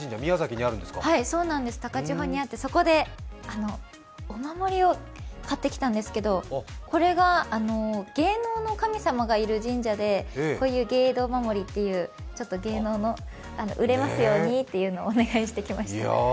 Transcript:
高千穂にあって、そこでお守りを買ってきたんですけとこれが、芸能の神様がいる神社で芸道お守りという、売れますようにとお願いしてきました。